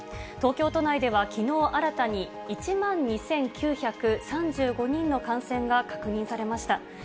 東京都内ではきのう新たに、１万２９３５人の感染が確認されました。